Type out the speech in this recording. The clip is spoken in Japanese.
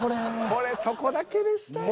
これそこだけでしたね。